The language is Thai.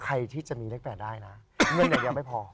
ใครที่จะมีเลข๘ได้มันอย่างเดียวไม่พอ